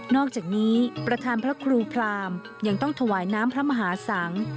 อกจากนี้ประธานพระครูพรามยังต้องถวายน้ำพระมหาสัง